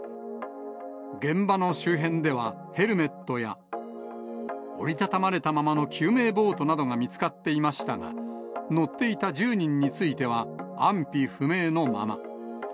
現場の周辺では、ヘルメットや、折り畳まれたままの救命ボートなどが見つかっていましたが、乗っていた１０人については安否不明のまま。